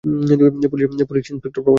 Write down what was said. Police inspector Prabhanjan.